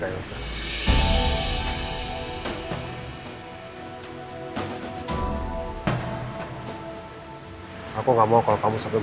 nanti kita ketemu lagi ya